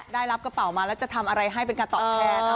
ได้รับกระเป๋ามาแล้วจะทำอะไรให้เป็นการตอบแทน